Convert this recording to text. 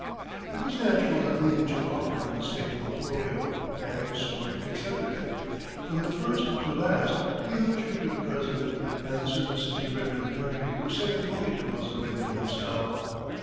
It was natural that Lincoln should offer him the state portfolio, and Seward accepted it. From first to last, he held true to the President, and the services he rendered the country were second only to those of Lincoln himself.